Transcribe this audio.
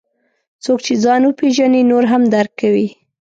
څوک چې ځان وپېژني، نور هم درک کوي.